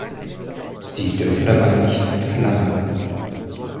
Sie dürfen dabei nicht entflammen.